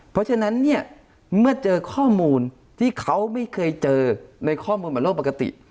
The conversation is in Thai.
เพราะฉะนั้นเนี่ยเมื่อเจอข้อมูลที่เขาไม่เคยเจอในข้อมูลเหมือนโลกปกติ